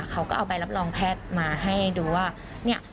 เขาก็เอาใบรับรองแพทย์มาให้ดูว่าเนี่ย